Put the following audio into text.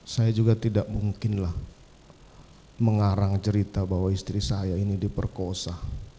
saya juga tidak mungkinlah mengarang cerita bahwa istri saya ini diperkosa